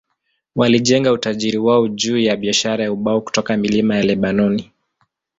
Walijenga utajiri wao juu ya biashara ya ubao kutoka milima ya Lebanoni.